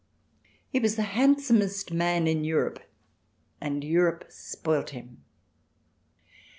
He was the handsomest man in Europe, and Europe spoilt him.